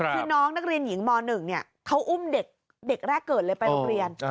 คือน้องนักเรียนหญิงม๑เขาอุ้มเด็กแรกเกิดเลยไปโรงเรียน